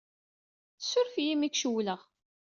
Ssuref-iyi imi ay k-cewwleɣ.